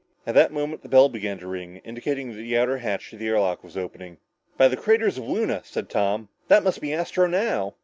At that moment the bell began to ring, indicating that the outer hatch to the air lock was opening. "By the craters of Luna," said Tom, "that must be Astro now!"